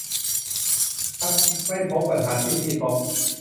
ครับ ไม่พบปัญหาที่พี่พบ